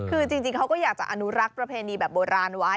คือจริงเขาก็อยากจะอนุรักษ์ประเพณีแบบโบราณไว้